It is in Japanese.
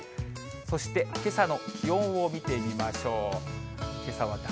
そしてけさの気温を見てみましょう。